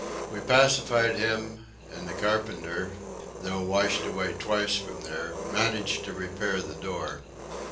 We pacified him, and the carpenter, though washed away twice from there, managed to repair the door.